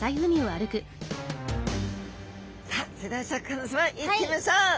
さあそれではシャーク香音さま行ってみましょう！